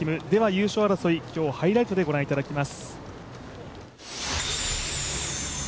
優勝争い、今日、ハイライトでご覧いただきます。